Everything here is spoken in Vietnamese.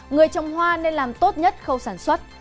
người trồng hoa nên làm tốt nhất khâu sản xuất